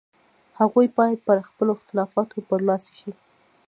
هغوی باید پر خپلو اختلافاتو برلاسي شي.